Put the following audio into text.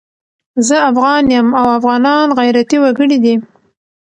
زه افغان یم او افغانان غيرتي وګړي دي